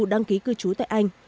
đăng ký cư trú tại anh